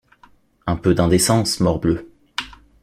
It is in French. Un peu d’indécence, morbleu.